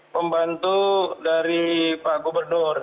pembantu dari pak gubernur